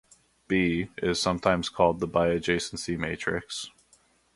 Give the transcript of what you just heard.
"B" is sometimes called the biadjacency matrix.